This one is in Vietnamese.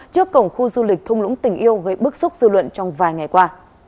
trước cổng khu du lịch thung lũng tình yêu gây bức xúc dư luận trong vài ngày qua